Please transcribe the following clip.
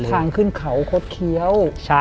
ทางขึ้นเขาคดเคี้ยว